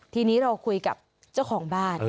ทีนี้เราคุยกับเจ้าของบ้าน